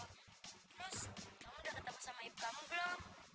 terus kamu udah ketemu sama ibu kamu belum